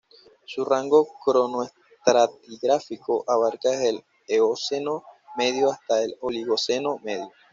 Su rango cronoestratigráfico abarca desde el Eoceno medio hasta la Oligoceno medio.